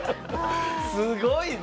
すごいな。